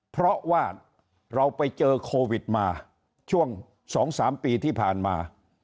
เพราะว่าเราไปเจอโควิดมาช่วง๒๓ปีที่ผ่านมา